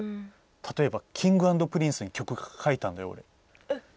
たとえばＫｉｎｇ＆Ｐｒｉｎｃｅに曲を書いたんだよ